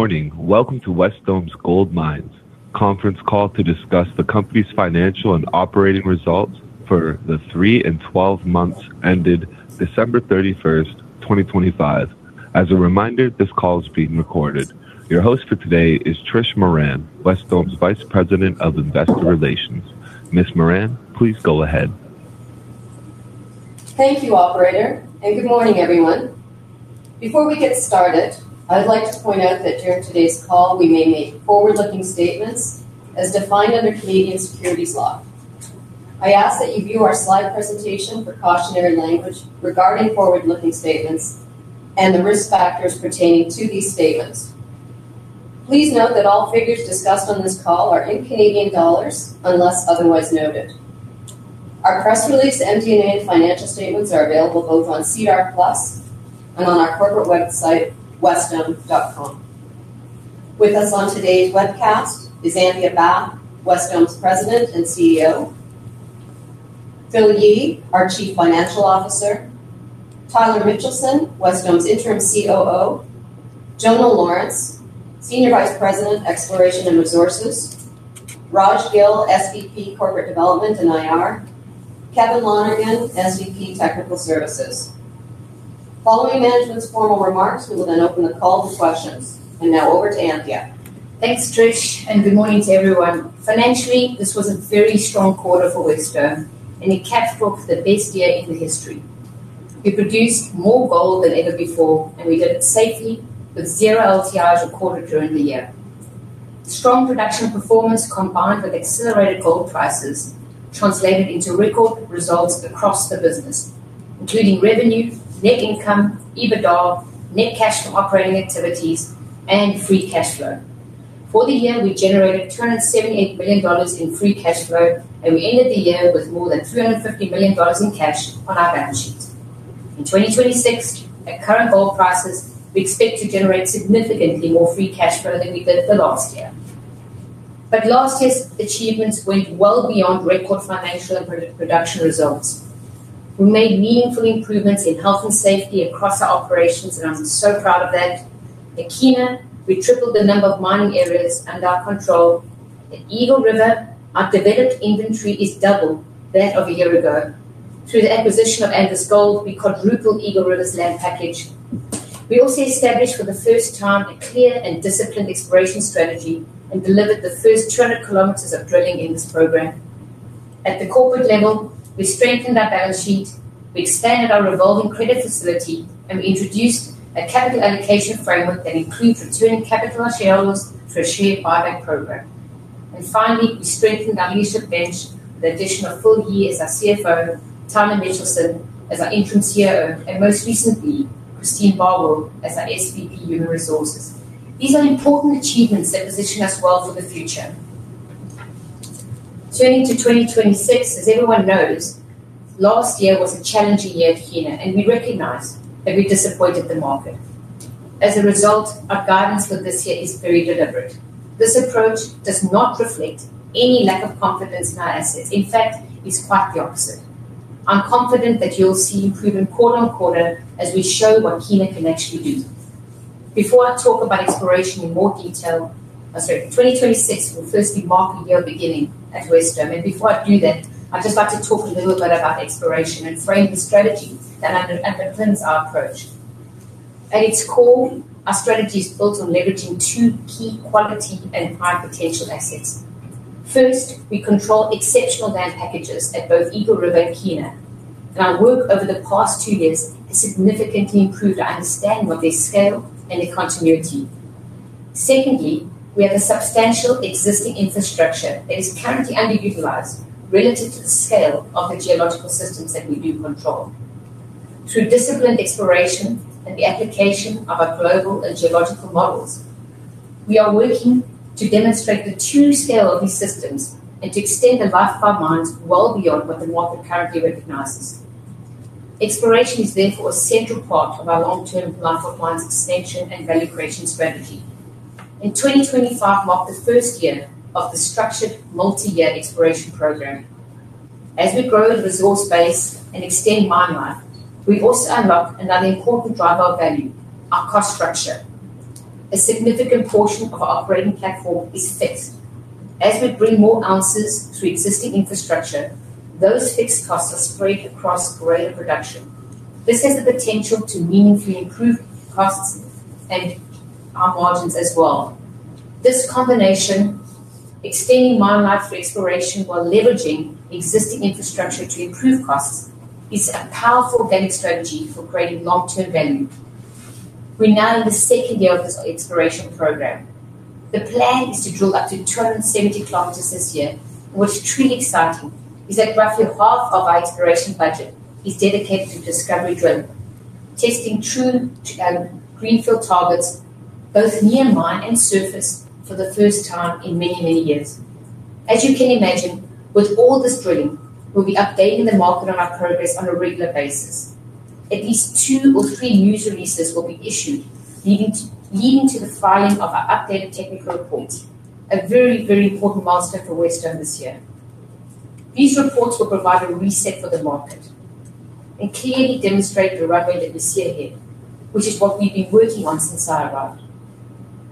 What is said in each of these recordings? Morning. Welcome to Wesdome Gold Mines conference call to discuss the company's financial and operating results for the 3 and 12 months ended December 31st, 2025. As a reminder, this call is being recorded. Your host for today is Trish Moran, Wesdome's Vice President of Investor Relations. Ms. Moran, please go ahead. Thank you, operator, and good morning, everyone. Before we get started, I'd like to point out that during today's call, we may make forward-looking statements as defined under Canadian securities law. I ask that you view our slide presentation for cautionary language regarding forward-looking statements and the risk factors pertaining to these statements. Please note that all figures discussed on this call are in Canadian dollars unless otherwise noted. Our press release, MD&A, and financial statements are available both on SEDAR+ and on our corporate website, wesdome.com. With us on today's webcast is Anthea Bath, Wesdome's President and CEO. Phil Yee, our Chief Financial Officer. Tyler Mitchelson, Wesdome's Interim COO. Jono Lawrence, Senior Vice President, Exploration and Resources. Raj Gill, SVP, Corporate Development and IR. Kevin Lonergan, SVP, Technical Services. Following management's formal remarks, we will then open the call to questions. Now over to Anthea. Thanks, Trish, and good morning to everyone. Financially, this was a very strong quarter for Wesdome, and it caps off the best year in the history. We produced more gold than ever before, and we did it safely with zero LTIs recorded during the year. Strong production performance combined with accelerated gold prices translated into record results across the business, including revenue, net income, EBITDA, net cash from operating activities, and free cash flow. For the year, we generated 278 million dollars in free cash flow, and we ended the year with more than 250 million dollars in cash on our balance sheet. In 2026, at current gold prices, we expect to generate significantly more free cash flow than we did the last year. Last year's achievements went well beyond record financial and production results. We made meaningful improvements in health and safety across our operations, and I'm so proud of that. At Kiena, we tripled the number of mining areas under our control. At Eagle River, our developed inventory is double that of a year ago. Through the acquisition of Angus Gold, we quadrupled Eagle River's land package. We also established for the first time a clear and disciplined exploration strategy and delivered the first 200 km of drilling in this program. At the corporate level, we strengthened our balance sheet, we expanded our revolving credit facility, and we introduced a capital allocation framework that includes returning capital to shareholders through a share buyback program. Finally, we strengthened our leadership bench with the addition of Phil Yee as our CFO, Tyler Mitchelson as our Interim COO, and most recently, Christine Barwell as our SVP, Human Resources. These are important achievements that position us well for the future. Turning to 2026, as everyone knows, last year was a challenging year at Kiena, and we recognize that we disappointed the market. As a result, our guidance for this year is very deliberate. This approach does not reflect any lack of confidence in our assets. In fact, it's quite the opposite. I'm confident that you'll see improvement quarter-over-quarter as we show what Kiena can actually do. For 2026, we'll first be marking the year beginning at Wesdome. Before I do that, I'd just like to talk a little bit about exploration and frame the strategy that underpins our approach. At its core, our strategy is built on leveraging two key quality and high-potential assets. First, we control exceptional land packages at both Eagle River and Kiena, and our work over the past two years has significantly improved our understanding of their scale and their continuity. Secondly, we have a substantial existing infrastructure that is currently underutilized relative to the scale of the geological systems that we do control. Through disciplined exploration and the application of our global and geological models, we are working to demonstrate the true scale of these systems and to extend the life of our mines well beyond what the market currently recognizes. Exploration is therefore a central part of our long-term life of mines extension and value creation strategy, and 2025 marked the first year of the structured multi-year exploration program. As we grow the resource base and extend mine life, we also unlock another important driver of value: our cost structure. A significant portion of our operating platform is fixed. As we bring more ounces through existing infrastructure, those fixed costs are spread across greater production. This has the potential to meaningfully improve costs and our margins as well. This combination, extending mine life through exploration while leveraging existing infrastructure to improve costs, is a powerful value strategy for creating long-term value. We're now in the second year of this exploration program. The plan is to drill up to 270 km this year. What's truly exciting is that roughly half of our exploration budget is dedicated to discovery drilling, testing true greenfield targets, both near mine and surface for the first time in many, many years. As you can imagine, with all this drilling, we'll be updating the market on our progress on a regular basis. At least two or three news releases will be issued, leading to the filing of our updated technical report, a very important milestone for Wesdome this year. These reports will provide a reset for the market and clearly demonstrate the runway that we see ahead, which is what we've been working on since I arrived.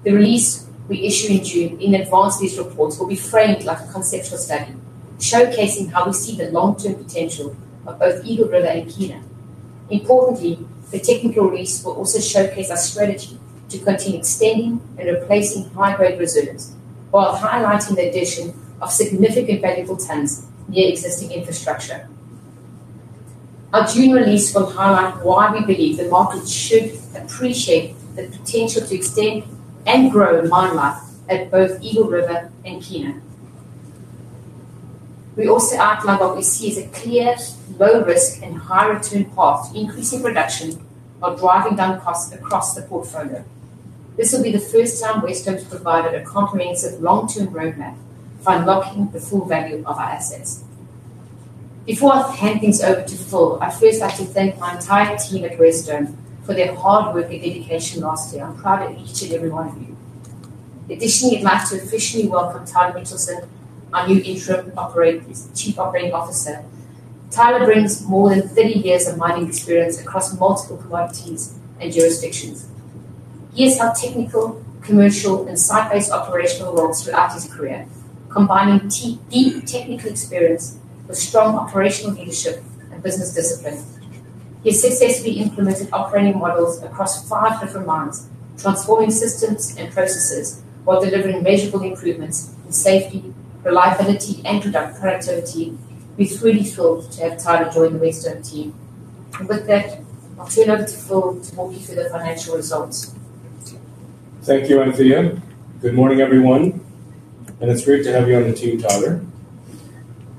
The release we issue in June in advance of these reports will be framed like a conceptual study, showcasing how we see the long-term potential of both Eagle River and Kiena. Importantly, the technical release will also showcase our strategy to continue extending and replacing high-grade reserves while highlighting the addition of significant valuable tons near existing infrastructure. Our June release will highlight why we believe the market should appreciate the potential to extend and grow mine life at both Eagle River and Kiena. We also outline what we see as a clear low risk and high return path to increasing production while driving down costs across the portfolio. This will be the first time Wesdome has provided a comprehensive long-term roadmap for unlocking the full value of our assets. Before I hand things over to Phil, I'd first like to thank my entire team at Wesdome for their hard work and dedication last year. I'm proud of each and every one of you. Additionally, I'd like to officially welcome Tyler Mitchelson, our new interim Chief Operating Officer. Tyler brings more than 30 years of mining experience across multiple commodities and jurisdictions. He has had technical, commercial, and site-based operational roles throughout his career, combining deep technical experience with strong operational leadership and business discipline. He has successfully implemented operating models across five different mines, transforming systems and processes while delivering measurable improvements in safety, reliability, and product productivity. We're truly thrilled to have Tyler join the Wesdome team. With that, I'll turn it over to Phil to walk you through the financial results. Thank you, Anthea. Good morning, everyone, and it's great to have you on the team, Tyler.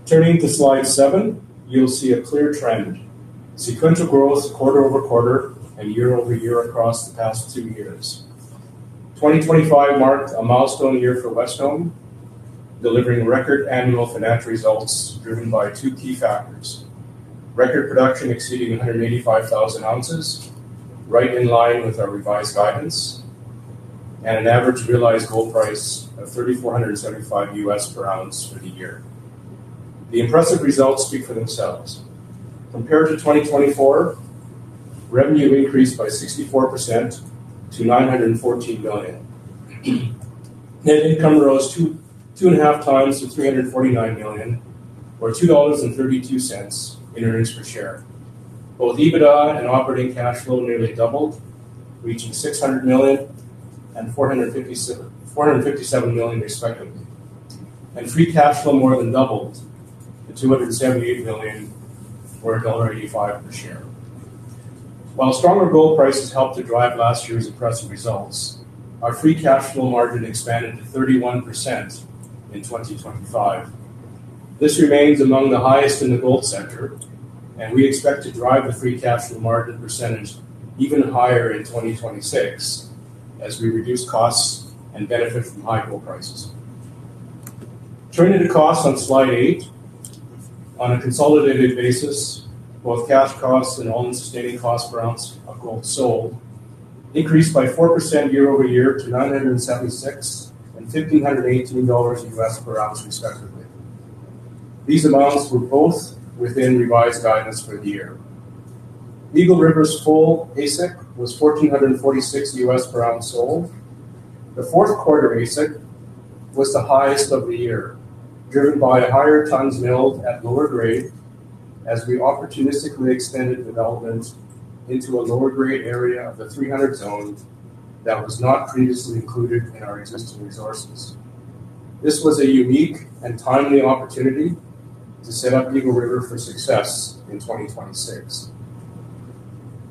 Turning to slide seven, you'll see a clear trend. Sequential growth quarter over quarter and year over year across the past two years. 2025 marked a milestone year for Wesdome, delivering record annual financial results driven by two key factors. Record production exceeding 185,000 ounces, right in line with our revised guidance, and an average realized gold price of $3,475 per ounce for the year. The impressive results speak for themselves. Compared to 2024, revenue increased by 64% to 914 million. Net income rose two and a half times to 349 million, or 2.32 dollars in earnings per share. Both EBITDA and operating cash flow nearly doubled, reaching 600 million and 457 million respectively. Free cash flow more than doubled to 278 million or dollar 1.85 per share. While stronger gold prices helped to drive last year's impressive results, our free cash flow margin expanded to 31% in 2025. This remains among the highest in the gold sector, and we expect to drive the free cash flow margin percentage even higher in 2026 as we reduce costs and benefit from high gold prices. Turning to costs on slide eight. On a consolidated basis, both cash costs and all-in sustaining cost per ounce of gold sold increased by 4% year-over-year to $976 and $1,518 per ounce respectively. These amounts were both within revised guidance for the year. Eagle River's full AISC was $1,446 per ounce sold. The fourth quarter AISC was the highest of the year, driven by higher tons milled at lower grade as we opportunistically extended development into a lower-grade area of the 300 zone that was not previously included in our existing resources. This was a unique and timely opportunity to set up Eagle River for success in 2026.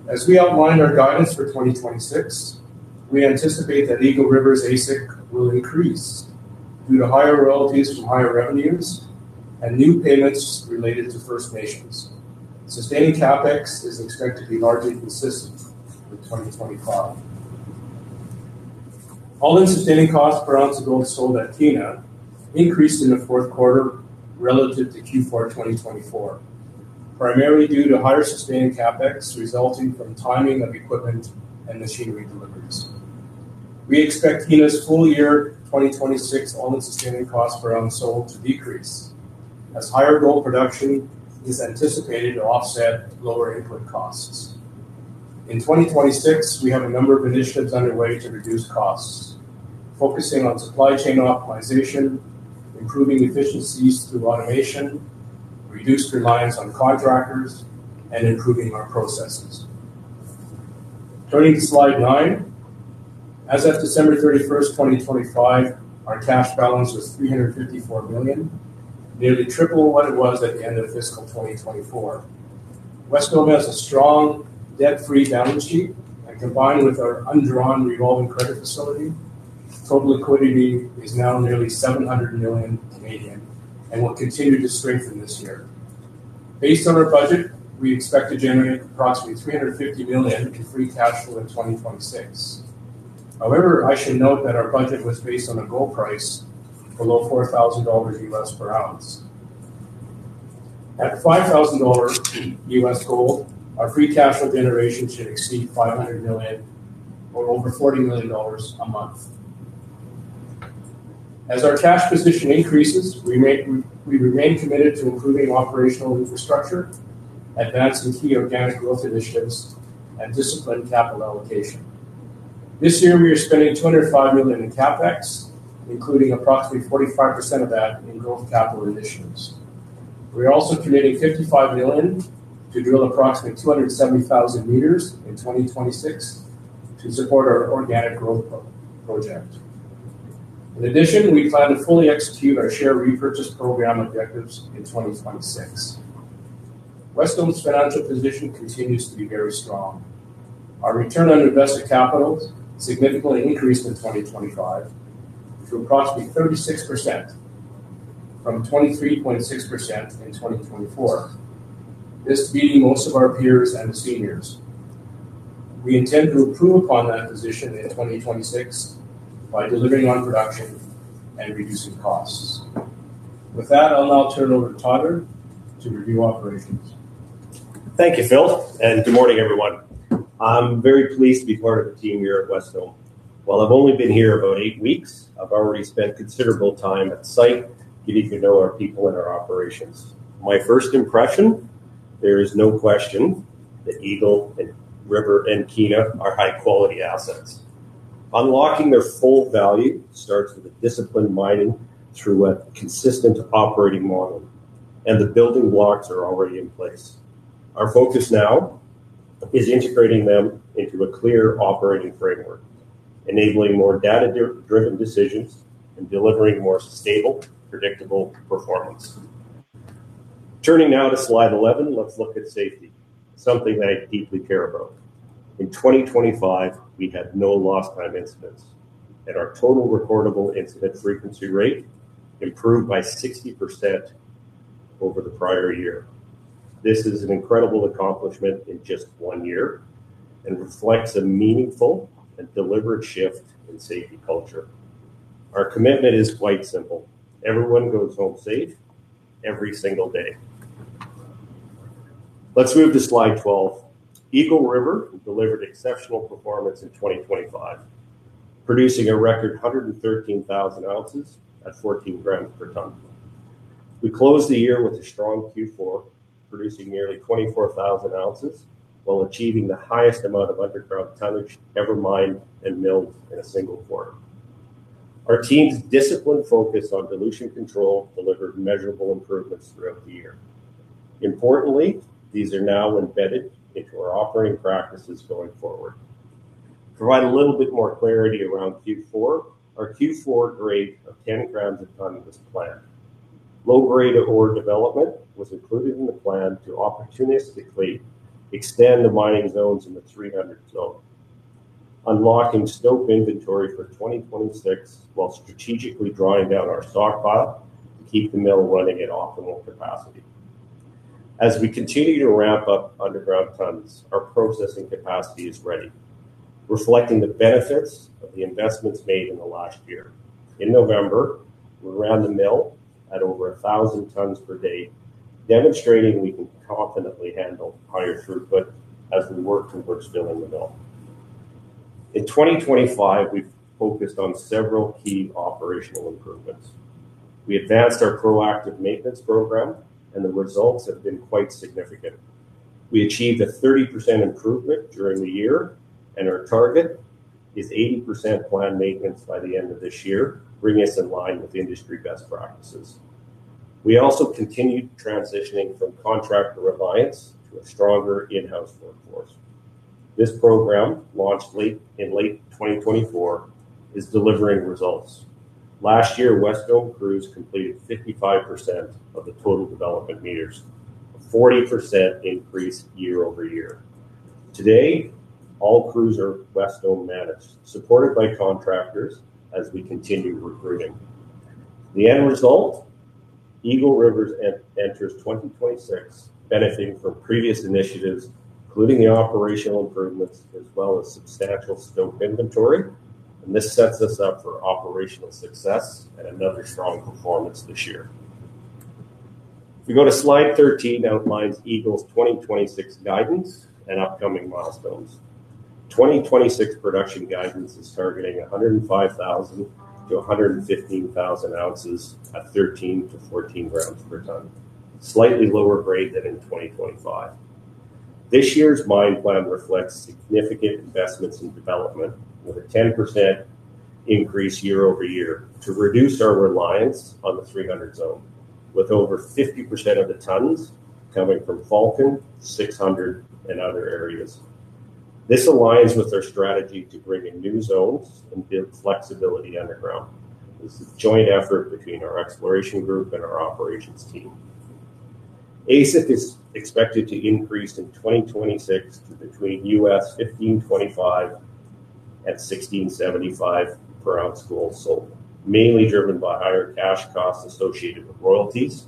As we outlined our guidance for 2026, we anticipate that Eagle River's AISC will increase due to higher royalties from higher revenues and new payments related to First Nations. Sustaining CapEx is expected to be largely consistent with 2025. All-in sustaining costs per ounce of gold sold at Kiena increased in the fourth quarter relative to Q4 2024, primarily due to higher sustaining CapEx resulting from timing of equipment and machinery deliveries. We expect Kiena's full year 2026 all-in sustaining costs per ounce sold to decrease as higher gold production is anticipated to offset lower input costs. In 2026, we have a number of initiatives underway to reduce costs, focusing on supply chain optimization, improving efficiencies through automation, reduced reliance on contractors, and improving our processes. Turning to slide nine. As of December 31st, 2025, our cash balance was 354 million, nearly triple what it was at the end of fiscal 2024. Wesdome has a strong debt-free balance sheet, and combined with our undrawn revolving credit facility, total liquidity is now nearly 700 million and will continue to strengthen this year. Based on our budget, we expect to generate approximately 350 million in free cash flow in 2026. However, I should note that our budget was based on a gold price below $4,000 US per ounce. At $5,000 US gold, our free cash flow generation should exceed 500 million or over 40 million dollars a month. As our cash position increases, we remain committed to improving operational infrastructure, advancing key organic growth initiatives and disciplined capital allocation. This year, we are spending 205 million in CapEx, including approximately 45% of that in growth capital initiatives. We are also committing 55 million to drill approximately 270,000 meters in 2026 to support our organic growth pro-project. In addition, we plan to fully execute our share repurchase program objectives in 2026. Wesdome's financial position continues to be very strong. Our return on invested capital significantly increased in 2025 to approximately 36% from 23.6% in 2024. This, beating most of our peers and seniors. We intend to improve upon that position in 2026 by delivering on production and reducing costs. With that, I'll now turn it over to Tyler to review operations. Thank you, Phil, and good morning, everyone. I'm very pleased to be part of the team here at Wesdome. While I've only been here about eight weeks, I've already spent considerable time at the site getting to know our people and our operations. My first impression, there is no question that Eagle River and Kiena are high-quality assets. Unlocking their full value starts with a disciplined mining through a consistent operating model, and the building blocks are already in place. Our focus now is integrating them into a clear operating framework, enabling more data-driven decisions and delivering more stable, predictable performance. Turning now to slide 11, let's look at safety, something that I deeply care about. In 2025, we had no lost time incidents, and our total recordable incident frequency rate improved by 60% over the prior year. This is an incredible accomplishment in just one year and reflects a meaningful and deliberate shift in safety culture. Our commitment is quite simple: everyone goes home safe every single day. Let's move to slide 12. Eagle River delivered exceptional performance in 2025, producing a record 113,000 ounces at 14 grams per ton. We closed the year with a strong Q4, producing nearly 24,000 ounces while achieving the highest amount of underground tonnage ever mined and milled in a single quarter. Our team's disciplined focus on dilution control delivered measurable improvements throughout the year. Importantly, these are now embedded into our operating practices going forward. To provide a little bit more clarity around Q4, our Q4 grade of 10 grams a ton was planned. Low-grade ore development was included in the plan to opportunistically extend the mining zones in the 300 Zone, unlocking stope inventory for 2026 while strategically drawing down our stockpile to keep the mill running at optimal capacity. As we continue to ramp up underground tons, our processing capacity is ready, reflecting the benefits of the investments made in the last year. In November, we ran the mill at over 1,000 tons per day, demonstrating we can confidently handle higher throughput as we work towards filling the mill. In 2025, we've focused on several key operational improvements. We advanced our proactive maintenance program, and the results have been quite significant. We achieved a 30% improvement during the year, and our target is 80% planned maintenance by the end of this year, bringing us in line with industry best practices. We also continued transitioning from contractor reliance to a stronger in-house workforce. This program, launched in late 2024, is delivering results. Last year, Wesdome crews completed 55% of the total development meters, a 40% increase year-over-year. Today, all crews are Wesdome managed, supported by contractors as we continue recruiting. The end result, Eagle River enters 2026 benefiting from previous initiatives, including the operational improvements as well as substantial stope inventory, and this sets us up for operational success and another strong performance this year. If you go to slide 13, outlines Eagle's 2026 guidance and upcoming milestones. 2026 production guidance is targeting 105,000-115,000 ounces at 13-14 grams per ton, slightly lower grade than in 2025. This year's mine plan reflects significant investments in development, with a 10% increase year-over-year to reduce our reliance on the 300 zone, with over 50% of the tons coming from Falcon, 600 and other areas. This aligns with our strategy to bring in new zones and build flexibility underground. This is a joint effort between our exploration group and our operations team. AISC is expected to increase in 2026 to between $1,525 and $1,675 per ounce gold sold, mainly driven by higher cash costs associated with royalties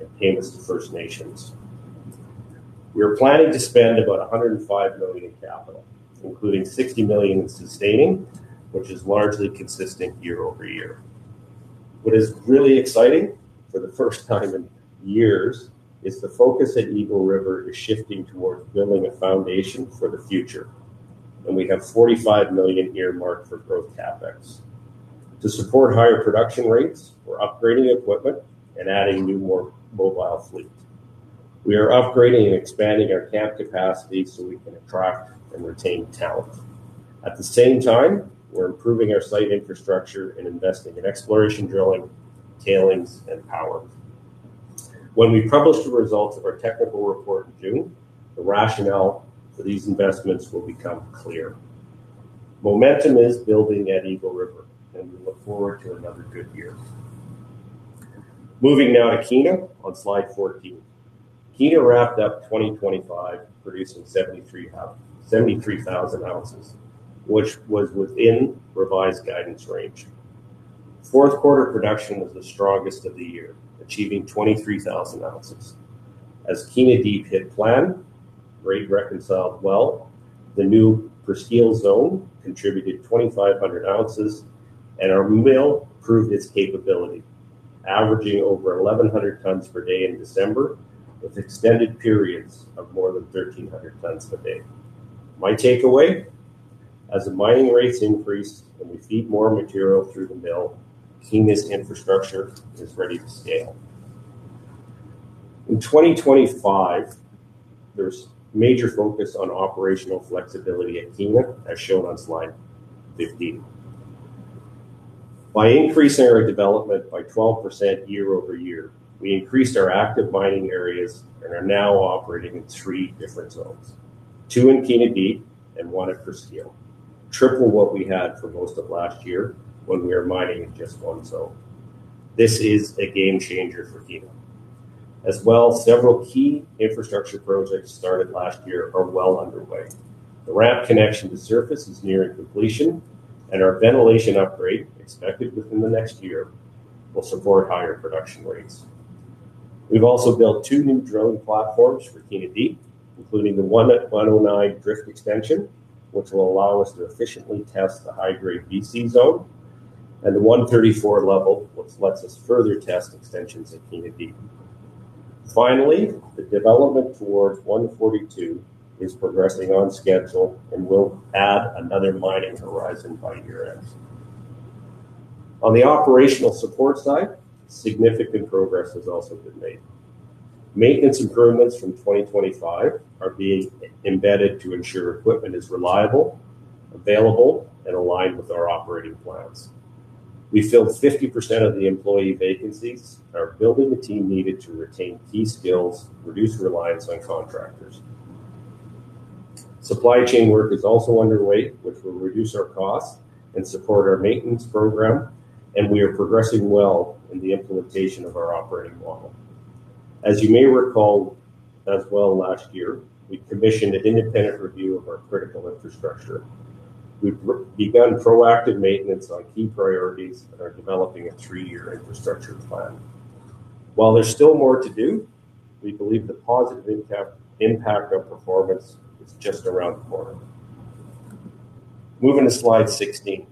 and payments to First Nations. We are planning to spend about 105 million in capital, including 60 million in sustaining, which is largely consistent year-over-year. What is really exciting for the first time in years is the focus at Eagle River is shifting towards building a foundation for the future, and we have 45 million earmarked for growth CapEx. To support higher production rates, we're upgrading equipment and adding new, more mobile fleet. We are upgrading and expanding our camp capacity so we can attract and retain talent. At the same time, we're improving our site infrastructure and investing in exploration, drilling, tailings and power. When we publish the results of our technical report in June, the rationale for these investments will become clear. Momentum is building at Eagle River, and we look forward to another good year. Moving now to Kiena on slide 14. Kiena wrapped up 2025 producing 73,000 ounces, which was within revised guidance range. Fourth quarter production was the strongest of the year, achieving 23,000 ounces. As Kiena Deep hit plan, grade reconciled well, the new Presqu'île Zone contributed 2,500 ounces and our mill proved its capability, averaging over 1,100 tons per day in December, with extended periods of more than 1,300 tons per day. My takeaway, as the mining rates increase and we feed more material through the mill, Kiena's infrastructure is ready to scale. In 2025, there's major focus on operational flexibility at Kiena, as shown on slide 15. By increasing our development by 12% year-over-year, we increased our active mining areas and are now operating in three different zones, two in Kiena Deep and one at Presqu'île, triple what we had for most of last year when we were mining in just one zone. This is a game changer for Kiena. Several key infrastructure projects started last year are well underway. The ramp connection to surface is nearing completion, and our ventilation upgrade, expected within the next year, will support higher production rates. We've also built two new drilling platforms for Kiena Deep, including the one at 109 drift extension, which will allow us to efficiently test the high-grade VC Zone, and the 134 level, which lets us further test extensions at Kiena Deep. Finally, the development towards 142 is progressing on schedule and will add another mining horizon by year-end. On the operational support side, significant progress has also been made. Maintenance improvements from 2025 are being embedded to ensure equipment is reliable, available, and aligned with our operating plans. We filled 50% of the employee vacancies and are building the team needed to retain key skills, reduce reliance on contractors. Supply chain work is also underway, which will reduce our costs and support our maintenance program, and we are progressing well in the implementation of our operating model. As you may recall as well last year, we commissioned an independent review of our critical infrastructure. We've begun proactive maintenance on key priorities and are developing a three-year infrastructure plan. While there's still more to do, we believe the positive impact on performance is just around the corner. Moving to slide 16.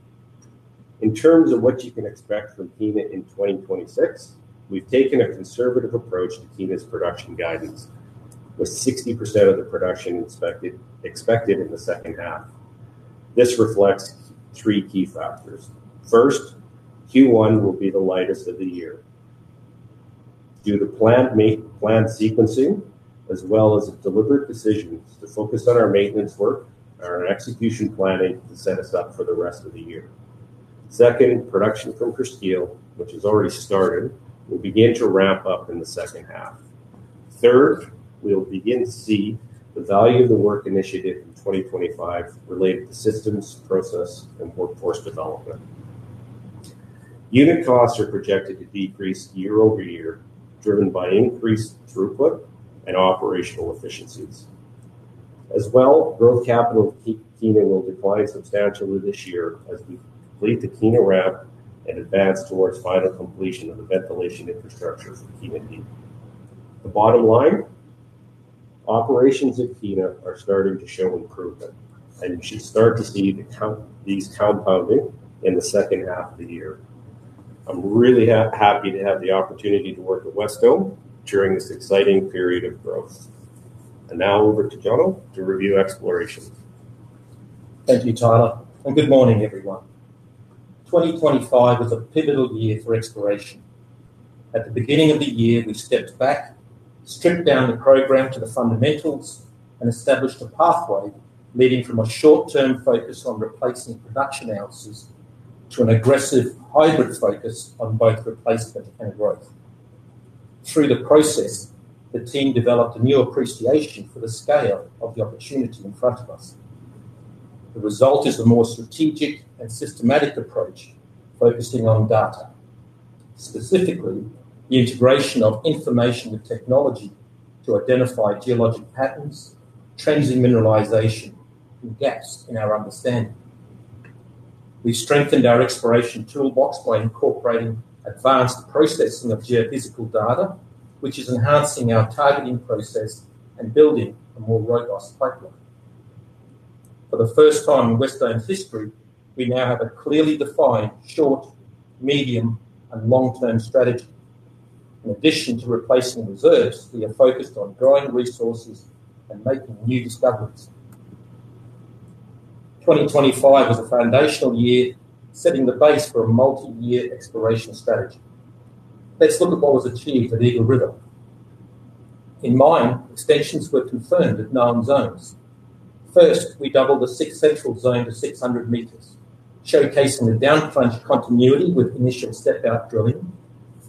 In terms of what you can expect from Kiena in 2026, we've taken a conservative approach to Kiena's production guidance, with 60% of the production expected in the second half. This reflects three key factors. First, Q1 will be the lightest of the year due to plant sequencing, as well as deliberate decisions to focus on our maintenance work and our execution planning to set us up for the rest of the year. Second, production from Presqu'île, which has already started, will begin to ramp up in the second half. Third, we'll begin to see the value of the work initiated in 2025 related to systems, process, and workforce development. Unit costs are projected to decrease year-over-year, driven by increased throughput and operational efficiencies. As well, growth capital at Kiena will decline substantially this year as we complete the Kiena ramp and advance towards final completion of the ventilation infrastructure for Kiena Deep. The bottom line, operations at Kiena are starting to show improvement, and you should start to see these compounding in the second half of the year. I'm really happy to have the opportunity to work at Wesdome during this exciting period of growth. Now over to Jono to review exploration. Thank you, Tyler, and good morning, everyone. 2025 was a pivotal year for exploration. At the beginning of the year, we stepped back, stripped down the program to the fundamentals, and established a pathway leading from a short-term focus on replacing production ounces to an aggressive hybrid focus on both replacement and growth. Through the process, the team developed a new appreciation for the scale of the opportunity in front of us. The result is a more strategic and systematic approach focusing on data, specifically the integration of information with technology to identify geologic patterns, trends in mineralization, and gaps in our understanding. We strengthened our exploration toolbox by incorporating advanced processing of geophysical data, which is enhancing our targeting process and building a more robust pipeline. For the first time in Wesdome's history, we now have a clearly defined short, medium, and long-term strategy. In addition to replacing reserves, we are focused on growing resources and making new discoveries. 2025 was a foundational year, setting the base for a multi-year exploration strategy. Let's look at what was achieved at Eagle River. In-mine extensions were confirmed at known zones. First, we doubled the 6 Central zone to 600 meters, showcasing the down-plunge continuity with initial step-out drilling,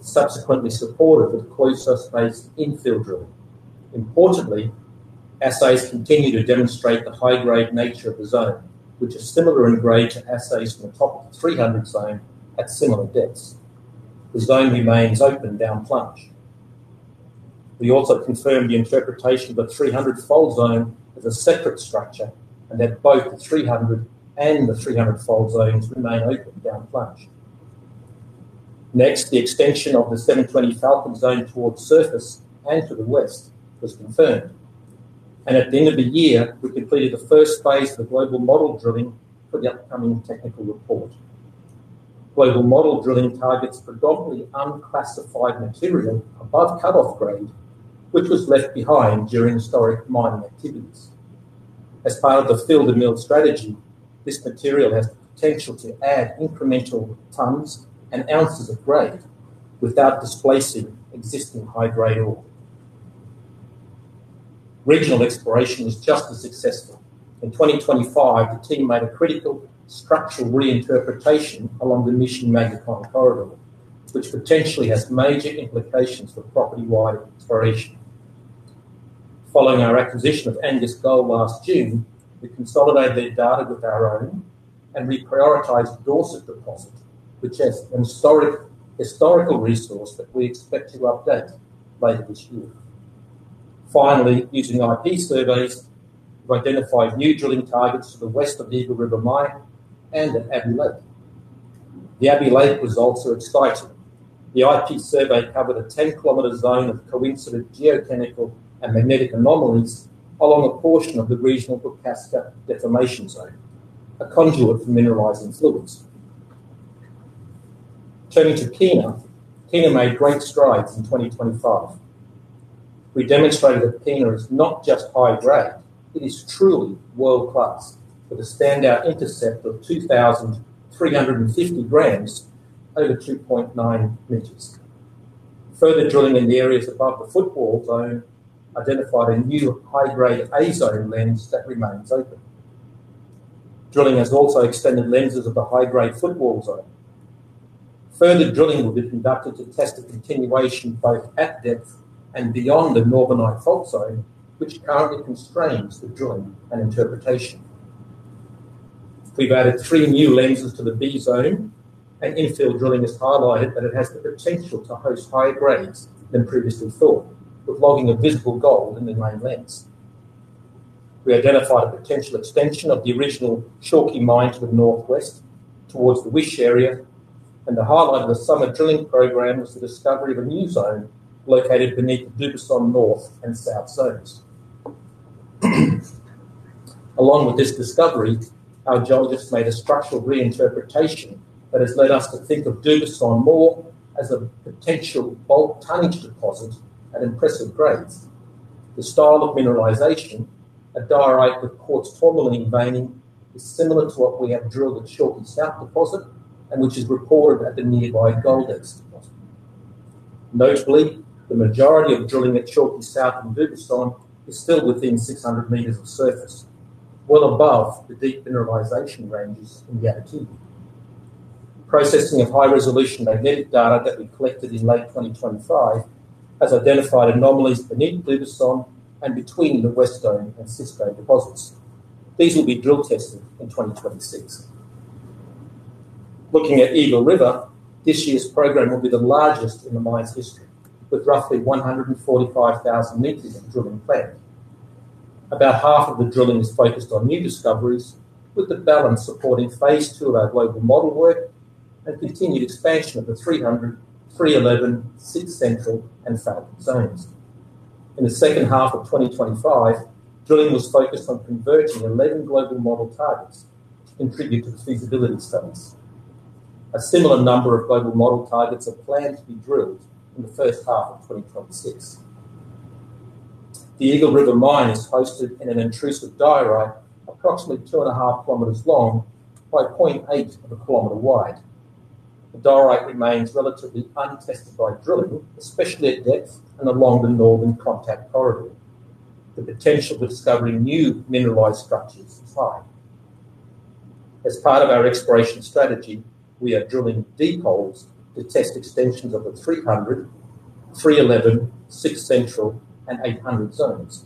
subsequently supported with close-spaced infill drilling. Importantly, assays continue to demonstrate the high-grade nature of the zone, which is similar in grade to assays from the top of the 300 zone at similar depths. The zone remains open down-plunge. We also confirmed the interpretation of the 300 fault zone as a separate structure, and that both the 300 and the 300 fault zones remain open down-plunge. Next, the extension of the 720 Falcon zone towards surface and to the west was confirmed. At the end of the year, we completed the first phase of the global model drilling for the upcoming technical report. Global model drilling targets predominantly unclassified material above cut-off grade, which was left behind during historic mining activities. As part of the mine-to-mill strategy, this material has the potential to add incremental tons and ounces of grade without displacing existing high-grade ore. Regional exploration was just as successful. In 2025, the team made a critical structural reinterpretation along the Mishi-Magnacon corridor, which potentially has major implications for property-wide exploration. Following our acquisition of Angus Gold last June, we consolidated their data with our own and reprioritized Dorset deposit, which has an historic resource that we expect to update later this year. Finally, using IP surveys, we've identified new drilling targets to the west of Eagle River mine and at Abbey Lake. The Abbey Lake results are exciting. The IP survey covered a 10-km zone of coincident geotechnical and magnetic anomalies along a portion of the regional Caucasus deformation zone, a conduit for mineralizing fluids. Turning to Kiena. Kiena made great strides in 2025. We demonstrated that Kiena is not just high-grade, it is truly world-class with a standout intercept of 2,350 grams over 2.9 meters. Further drilling in the areas above the Football zone identified a new high-grade A zone lens that remains open. Drilling has also extended lenses of the high-grade Football zone. Further drilling will be conducted to test the continuation both at depth and beyond the Norbenite fault zone, which currently constrains the drilling and interpretation. We've added three new lenses to the B zone, and infill drilling has highlighted that it has the potential to host higher grades than previously thought, with logging of visible gold in the main lens. We identified a potential extension of the original Shorty mine to the northwest towards the Wish Area, and the highlight of the summer drilling program was the discovery of a new zone located beneath the Dubuisson North and South zones. Along with this discovery, our geologists made a structural reinterpretation that has led us to think of Dubuisson more as a potential bulk tonnage deposit at impressive grades. The style of mineralization, a diorite with quartz tourmaline veining, is similar to what we have drilled at Shorty South deposit and which is reported at the nearby Goldex deposit. Notably, the majority of drilling at Shorty South and Dubuisson is still within 600 meters of surface, well above the deep mineralization ranges in the Abitibi. Processing of high-resolution magnetic data that we collected in late 2025 has identified anomalies beneath Dubuisson and between the Westone and Cisbone deposits. These will be drill tested in 2026. Looking at Eagle River, this year's program will be the largest in the mine's history, with roughly 145,000 meters of drilling planned. About half of the drilling is focused on new discoveries, with the balance supporting phase two of our global model work and continued expansion of the 300, 311, 6 Central, and Falcon zones. In the second half of 2025, drilling was focused on converting 11 global model targets to contribute to the feasibility studies. A similar number of global model targets are planned to be drilled in the first half of 2026. The Eagle River Mine is hosted in an intrusive diorite approximately 2.5 km long by 0.8 km wide. The diorite remains relatively untested by drilling, especially at depth and along the northern contact corridor. The potential for discovering new mineralized structures is high. As part of our exploration strategy, we are drilling deep holes to test extensions of the 300, 311, 6 Central, and 800 zones.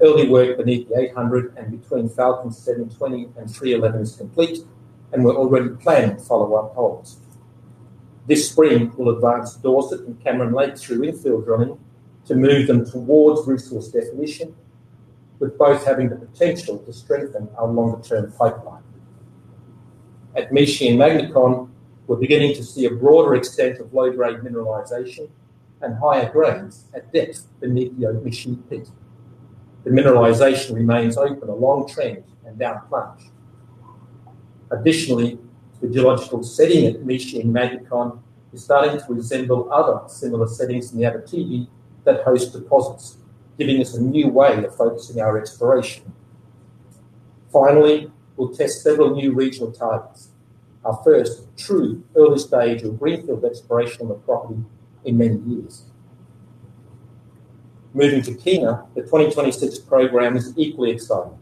Early work beneath the 800 and between Falcon 720 and 311 is complete, and we're already planning follow-up holes. This spring, we'll advance Dorset and Cameron Lake through infill drilling to move them towards resource definition, with both having the potential to strengthen our longer-term pipeline. At Mishi and Magnacon, we're beginning to see a broader extent of low-grade mineralization and higher grades at depth beneath the Mishi pit. The mineralization remains open along trend and down plunge. Additionally, the geological setting at Mishi and Magnacon is starting to resemble other similar settings in the Abitibi that host deposits, giving us a new way of focusing our exploration. Finally, we'll test several new regional targets. Our first true early stage of greenfield exploration on the property in many years. Moving to Kiena, the 2026 program is equally exciting.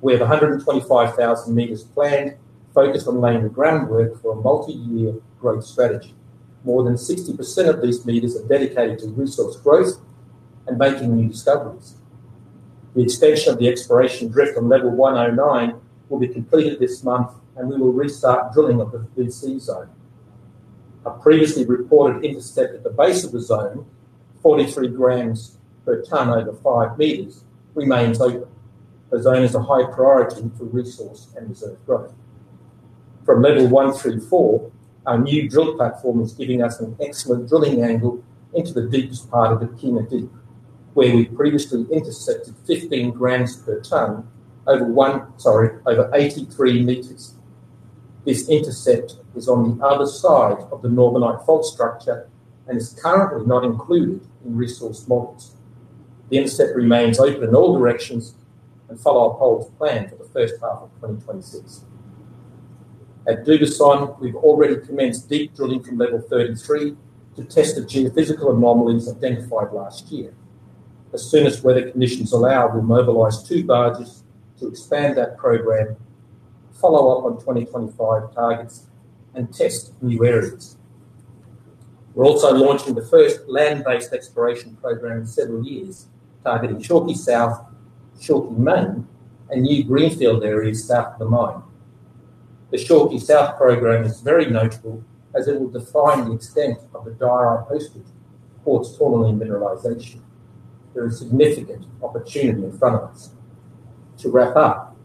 We have 125,000 meters planned, focused on laying the groundwork for a multi-year growth strategy. More than 60% of these meters are dedicated to resource growth and making new discoveries. The expansion of the exploration drift from level 109 will be completed this month, and we will restart drilling of the 3C Zone. A previously reported intercept at the base of the zone, 43 grams per tonne over 5 meters, remains open. The zone is a high priority for resource and reserve growth. From level one through four, our new drill platform is giving us an excellent drilling angle into the deepest part of the Kiena Deep, where we previously intercepted 15 grams per tonne over 83 meters. This intercept is on the other side of the Norbenite Fault structure and is currently not included in resource models. The intercept remains open in all directions and follow-up holes are planned for the first half of 2026. At Dubuisson, we've already commenced deep drilling from level 33 to test the geophysical anomalies identified last year. As soon as weather conditions allow, we'll mobilize two barges to expand that program, follow up on 2025 targets, and test new areas. We're also launching the first land-based exploration program in several years, targeting Shorty South, Shorty Main, and new greenfield areas south of the mine. The Shorty South program is very notable as it will define the extent of the diorite-hosted quartz tourmaline mineralization. There is significant opportunity in front of us. To wrap up,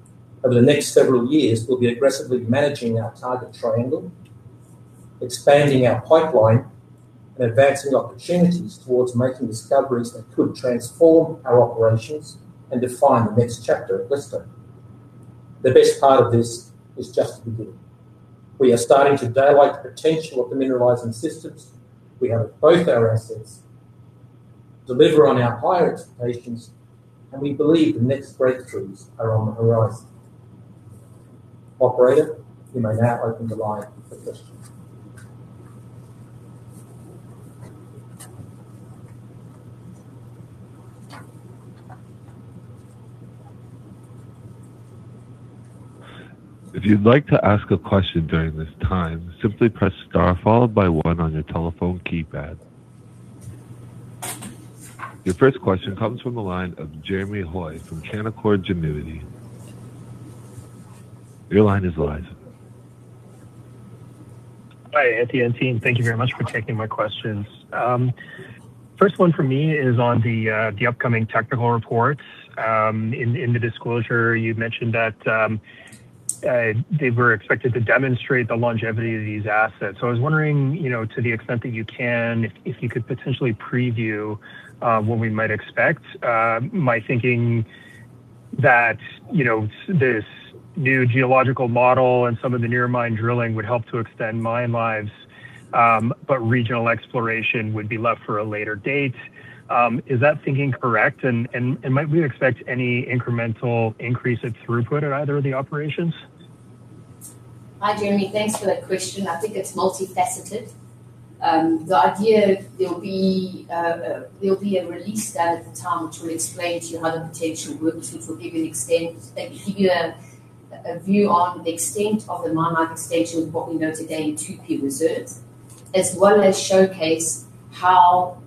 over the next several years, we'll be aggressively managing our target triangle, expanding our pipeline, and advancing opportunities towards making discoveries that could transform our operations and define the next chapter at Lister. The best part of this is just the beginning. We are starting to daylight the potential of the mineralizing systems. We have both our assets deliver on our higher expectations, and we believe the next breakthroughs are on the horizon. Operator, you may now open the line for questions. If you'd like to ask a question during this time, simply press star followed by one on your telephone keypad. Your first question comes from the line of Jeremy Hoy from Canaccord Genuity. Your line is live. Hi, Anthea and team. Thank you very much for taking my questions. First one for me is on the upcoming technical reports. In the disclosure, you'd mentioned that they were expected to demonstrate the longevity of these assets. I was wondering, you know, to the extent that you can, if you could potentially preview what we might expect. My thinking that, you know, this new geological model and some of the near mine drilling would help to extend mine lives, but regional exploration would be left for a later date. Is that thinking correct? Might we expect any incremental increase in throughput at either of the operations? Hi, Jeremy. Thanks for that question. I think it's multifaceted. The idea, there'll be a release out at the time to explain to you how the potential works, which will give you a view on the extent of the mine life extension with what we know today in 2P reserves, as well as showcase how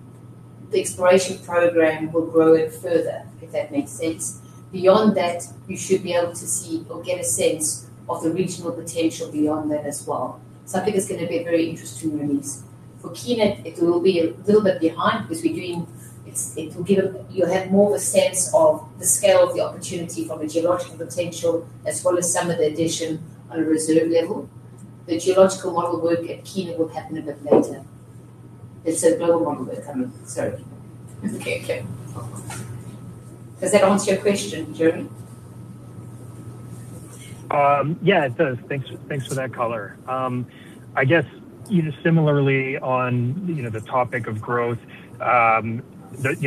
the exploration program will grow it further, if that makes sense. Beyond that, you should be able to see or get a sense of the regional potential beyond that as well. I think it's gonna be a very interesting release. For Kiena, it will be a little bit behind. You'll have more of a sense of the scale of the opportunity from a geological potential, as well as some of the addition on a reserve level. The geological model work at Kiena will happen a bit later. Does that answer your question, Jeremy? Yeah, it does. Thanks for that color. I guess either similarly on, you know, the topic of growth, you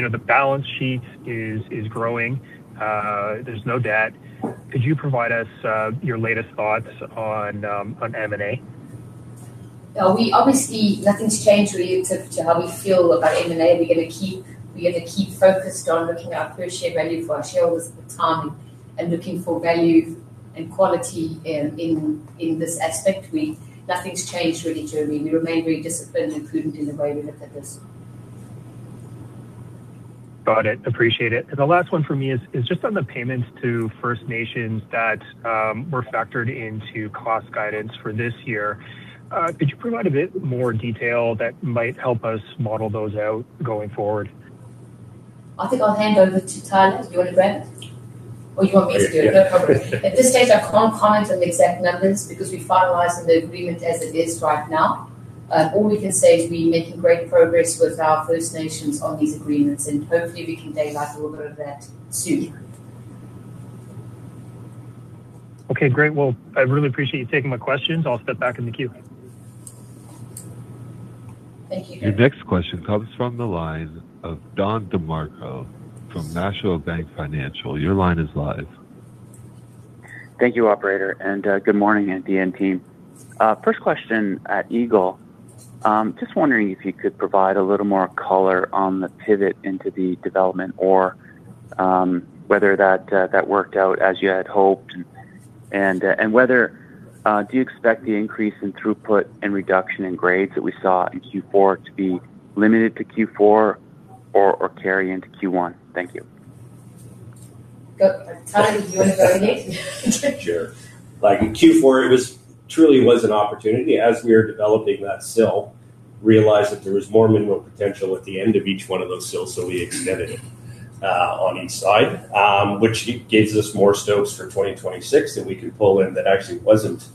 know, the balance sheet is growing. There's no debt. Could you provide us your latest thoughts on M&A? Yeah. Obviously, nothing's changed relative to how we feel about M&A. We're gonna keep focused on looking after our share value for our shareholders at the time and looking for value and quality in this aspect. Nothing's changed really, Jeremy. We remain very disciplined and prudent in the way we look at this. Got it. Appreciate it. The last one for me is just on the payments to First Nations that were factored into cost guidance for this year. Could you provide a bit more detail that might help us model those out going forward? I think I'll hand over to Tyler. Do you want to go ahead? Or you want me to do it? At this stage, I can't comment on the exact numbers because we're finalizing the agreement as it is right now. All we can say is we're making great progress with our First Nations on these agreements, and hopefully, we can daylight a little bit of that soon. Okay, great. Well, I really appreciate you taking my questions. I'll step back in the queue. Thank you. Your next question comes from the line of Don DeMarco from National Bank Financial. Your line is live. Thank you, operator. Good morning, Anthea and the team. First question at Eagle. Just wondering if you could provide a little more color on the pivot into the development or whether that worked out as you had hoped, and whether you expect the increase in throughput and reduction in grades that we saw in Q4 to be limited to Q4 or carry into Q1? Thank you. Go, Tyler, do you want to go again? Sure. Like, in Q4, it was truly an opportunity. As we were developing that sill, realized that there was more mineral potential at the end of each one of those sills, so we extended it on each side, which gives us more stopes for 2026 that we can pull in that actually wasn't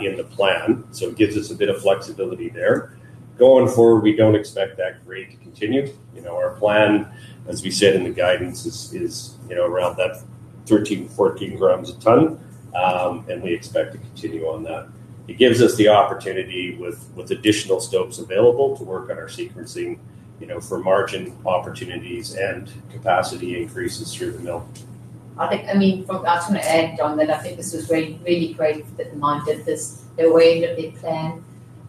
in the plan. It gives us a bit of flexibility there. Going forward, we don't expect that grade to continue. You know, our plan, as we said in the guidance, is you know, around that 13, 14 grams a ton. We expect to continue on that. It gives us the opportunity with additional stopes available to work on our sequencing, you know, for margin opportunities and capacity increases through the mill. I just wanna add, Don, that I think this was really great that the mine did this. They're way ahead of their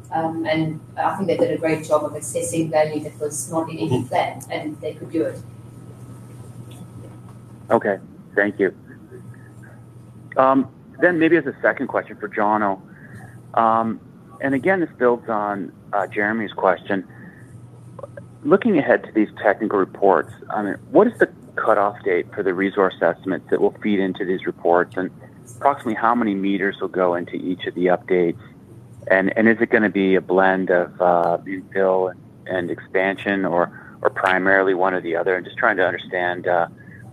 plan. I think they did a great job of assessing value that was not in any plan, and they could do it. Okay. Thank you. Maybe as a second question for Jono. Again, this builds on Jeremy's question. Looking ahead to these technical reports, I mean, what is the cutoff date for the resource estimates that will feed into these reports? And approximately how many meters will go into each of the updates? And is it gonna be a blend of infill and expansion or primarily one or the other? And just trying to understand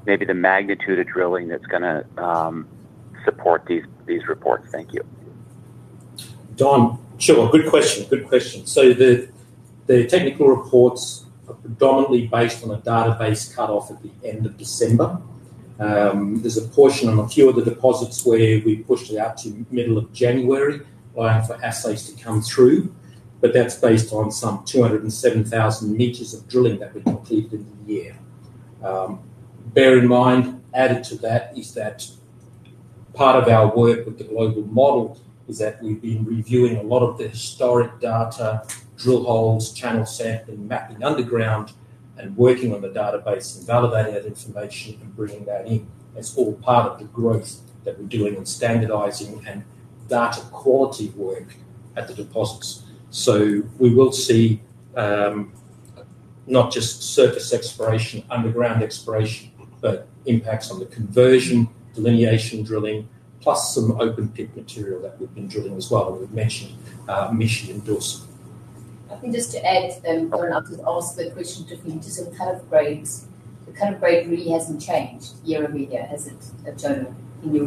maybe the magnitude of drilling that's gonna support these reports. Thank you. Don, sure. Good question. The technical reports are predominantly based on a database cutoff at the end of December. There's a portion on a few of the deposits where we pushed it out to middle of January, for assays to come through, but that's based on some 207,000 meters of drilling that we completed in the year. Bear in mind, added to that is that part of our work with the global model is that we've been reviewing a lot of the historic data, drill holes, channel sampling, mapping underground, and working on the database and validating that information and bringing that in. That's all part of the growth that we're doing and standardizing and data quality work at the deposits. We will see not just surface exploration, underground exploration, but impacts on the conversion, delineation drilling, plus some open pit material that we've been drilling as well. We've mentioned Mishi and Wesdome. I think just to add, Don, after you asked the question to me, just on cutoff grades. The cutoff grade really hasn't changed year-over-year, has it, Jono, in your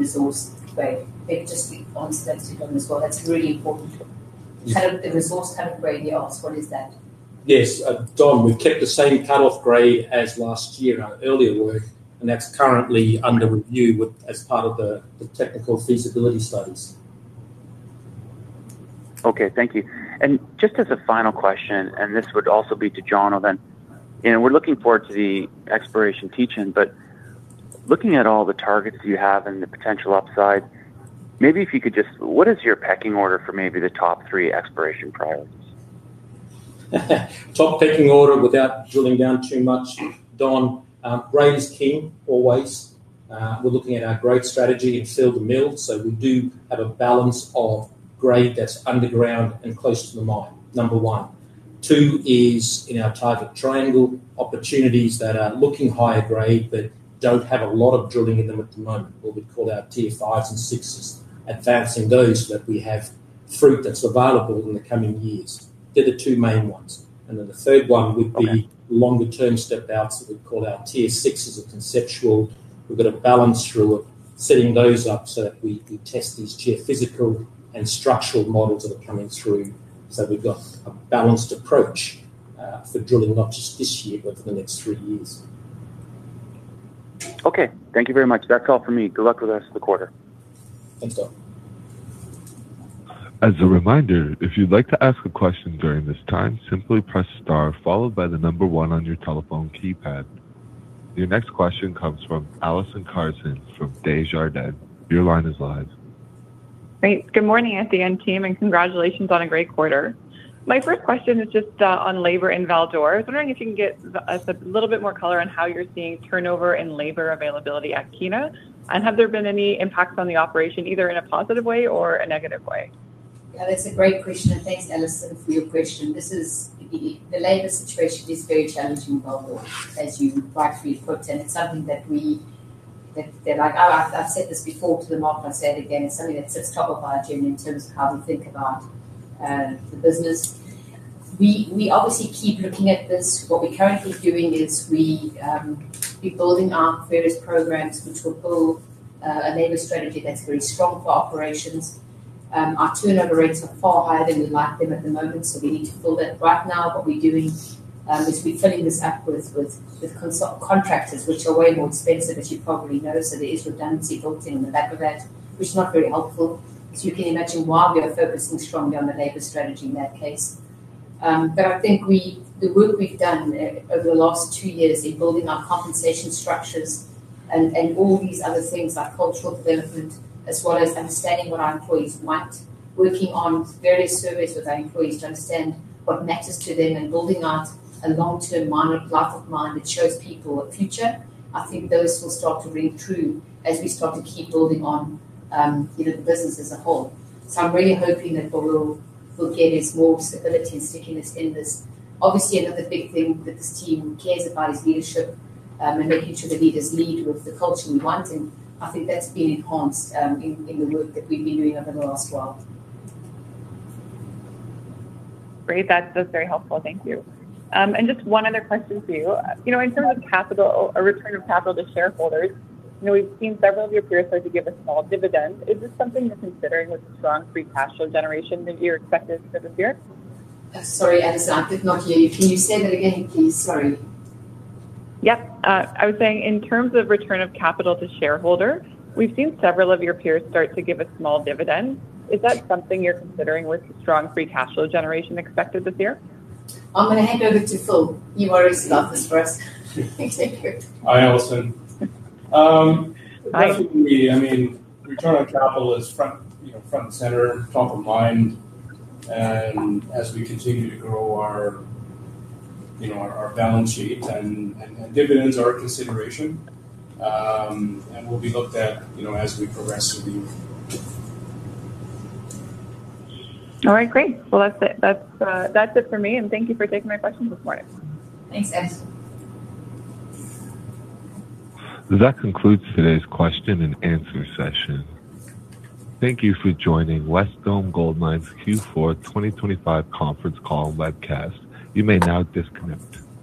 resource grade? It just been consistent as well. That's really important. Cutoff, the resource cutoff grade you asked, what is that? Yes. Don, we've kept the same cutoff grade as last year, our earlier work, and that's currently under review with, as part of the technical feasibility studies. Okay. Thank you. Just as a final question, and this would also be to Jono. You know, we're looking forward to the exploration teach-in, but looking at all the targets you have and the potential upside, maybe if you could just what is your pecking order for maybe the top three exploration priorities? Top pecking order without drilling down too much, Don, grade is king always. We're looking at our grade strategy in mine-to-mill. We do have a balance of grade that's underground and close to the mine, number one. Two is in our target triangle, opportunities that are looking higher grade that don't have a lot of drilling in them at the moment, what we'd call our tier fives and sixes. Advancing those that we have fruit that's available in the coming years. They're the two main ones. The third one would be longer-term step outs that we'd call our tier six as a conceptual. We've got a balance through of setting those up so that we test these geophysical and structural models that are coming through. We've got a balanced approach for drilling, not just this year, but for the next three years. Okay. Thank you very much. That's all for me. Good luck with the rest of the quarter. Thanks, Don. As a reminder, if you'd like to ask a question during this time, simply press star followed by the number one on your telephone keypad. Your next question comes from Allison Carson from Desjardins. Your line is live. Great. Good morning, Anthea team, and congratulations on a great quarter. My first question is just on labor in Val-d'Or. I was wondering if you can give us a little bit more color on how you're seeing turnover and labor availability at Kiena. Have there been any impacts on the operation, either in a positive way or a negative way? Yeah, that's a great question. Thanks, Allison, for your question. The labor situation is very challenging in Val-d'Or, as you rightly put, and it's something. Like, I've said this before to the market. I'll say it again. It's something that sits top of our agenda in terms of how we think about the business. We obviously keep looking at this. What we're currently doing is we're building our various programs which will build a labor strategy that's very strong for operations. Our turnover rates are far higher than we'd like them at the moment, so we need to build it. Right now, what we're doing is we're filling this up with contractors, which are way more expensive, as you probably know. There is redundancy built in the back of that, which is not very helpful. You can imagine why we are focusing strongly on the labor strategy in that case. I think the work we've done over the last two years in building our compensation structures and all these other things like cultural development as well as understanding what our employees want, working on various surveys with our employees to understand what matters to them, and building out a long-term life of mine that shows people a future. I think those will start to ring true as we start to keep building on, you know, the business as a whole. I'm really hoping that what we'll get is more stability and stickiness in this. Obviously, another big thing that this team cares about is leadership, and making sure the leaders lead with the culture we want. I think that's been enhanced, in the work that we've been doing over the last while. Great. That's very helpful. Thank you. Just one other question for you. You know, in terms of capital or return of capital to shareholders, you know, we've seen several of your peers start to give a small dividend. Is this something you're considering with the strong free cash flow generation that you're expected for this year? Sorry, Allison, I could not hear you. Can you say that again, please? Sorry. Yep. I was saying in terms of return of capital to shareholders, we've seen several of your peers start to give a small dividend. Is that something you're considering with strong free cash flow generation expected this year? I'm gonna hand over to Phil. You've already got this for us. Hi, Allison. I mean, return on capital is front, you know, front and center, top of mind, and as we continue to grow our, you know, our balance sheet and dividends are a consideration, and will be looked at, you know, as we progress through the year. All right, great. Well, that's it for me, and thank you for taking my questions this morning. Thanks, guys. That concludes today's question and answer session. Thank you for joining Wesdome Gold Mines Q4 2025 conference call webcast. You may now disconnect.